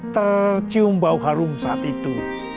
tercium bau harum saat itu